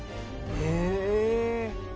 へえ！